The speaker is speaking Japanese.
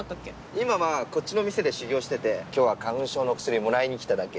今はこっちの店で修業してて今日は花粉症の薬もらいにきただけ。